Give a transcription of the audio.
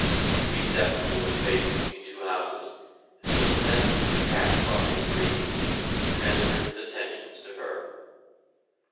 We stepped into a space between two houses, and just then a cat crossed the street and he transferred his attentions to her.